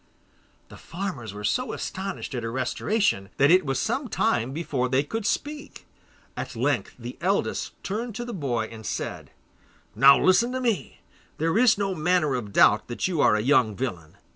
The farmers were so astonished at her restoration, that it was some time before they could speak. At length the eldest turned to the boy and said: 'Now listen to me. There is no manner of doubt that you are a young villain.